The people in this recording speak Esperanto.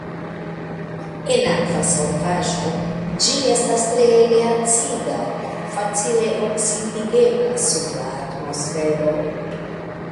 En akva solvaĵo ĝi estas treege acida kaj facile oksidigebla sub la atmosfero.